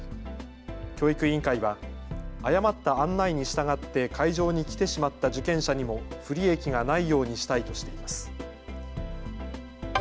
教育委員会は誤った案内に従って会場に来てしまった受験者にも不利益がないようにしたいとしています。